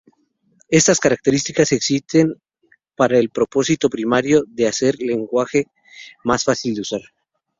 Estas características existen para el propósito primario de hacer el lenguaje más fácil usar.